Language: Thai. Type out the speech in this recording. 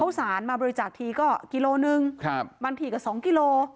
เข้าสารมาบริจาคทีก็กิโลหนึ่งครับบริจาคทีก็สองกิโล